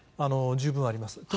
十分あります。